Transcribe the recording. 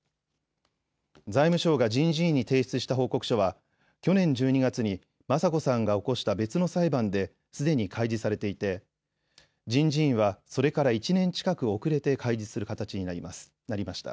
財務省が人事院に提出した報告書は去年１２月に雅子さんが起こした別の裁判ですでに開示されていて人事院はそれから１年近く遅れて開示する形になりました。